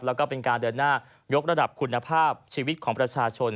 แล้วก็เป็นการเดินหน้ายกระดับคุณภาพชีวิตของประชาชน